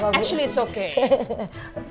sebenarnya gak apa apa